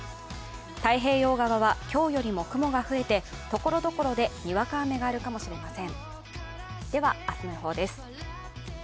太平洋側は、今日よりも雲が増えてところどころでにわか雨があるかもしれません。